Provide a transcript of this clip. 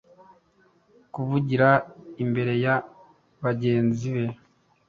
kuvugira imbere ya bagenzi be.